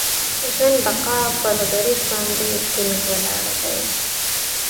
د ژوند د بقا پر دریځ باندې ټینګ ولاړ دی.